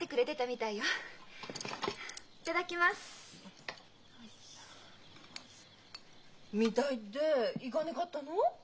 「みたい」っで行かねがったの？